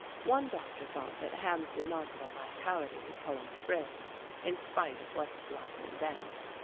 One doctor thought that Ham's remarkable vitality would pull him through, in spite of what his life had been.